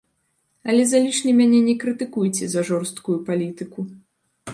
Але залішне мяне не крытыкуйце за жорсткую палітыку.